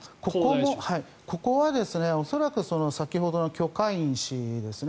ここは恐らく先ほどのキョ・カイン氏ですね